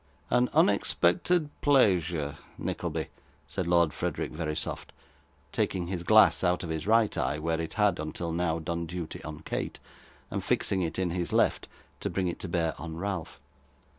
'An unexpected playsure, Nickleby,' said Lord Frederick Verisopht, taking his glass out of his right eye, where it had, until now, done duty on Kate, and fixing it in his left, to bring it to bear on Ralph.